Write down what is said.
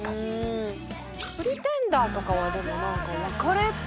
「Ｐｒｅｔｅｎｄｅｒ」とかはでも何か別れって。